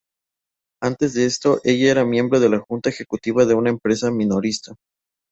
Antes de esto, ella era miembro de la Junta Ejecutiva de una empresa minorista.